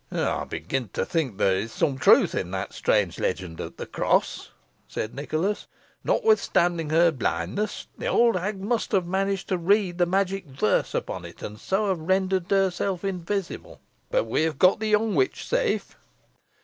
"I begin to think there is some truth in that strange legend of the cross," said Nicholas. "Notwithstanding her blindness, the old hag must have managed to read the magic verse upon it, and so have rendered herself invisible. But we have got the young witch safe."